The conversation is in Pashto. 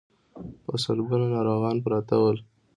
په سلګونو ناروغان پراته ول.